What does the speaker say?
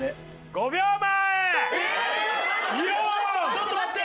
ちょっと待って！